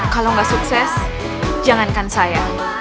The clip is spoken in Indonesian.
kalau nggak sukses jangankan saya